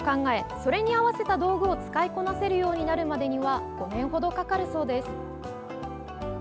それに合わせた道具を使いこなせるようになるまでには５年ほどかかるそうです。